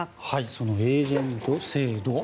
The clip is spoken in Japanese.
そのエージェント制度